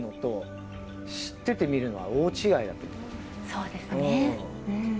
そうですね。